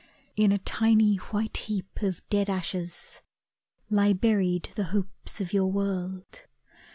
In a tiny white heap of dead ashes Lie buried the hopes of your world.